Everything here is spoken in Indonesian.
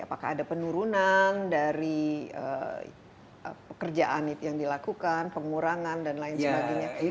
apakah ada penurunan dari pekerjaan itu yang dilakukan pengurangan dan lain sebagainya